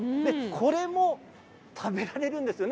こちらも食べられるんですよね。